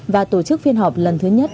và tổ chức phiên họp lần thứ nhất